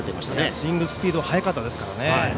スイングスピードが速かったですからね。